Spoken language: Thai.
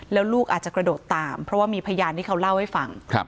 แล้วลูกอาจจะกระโดดตามเพราะว่ามีพยานที่เขาเล่าให้ฟัง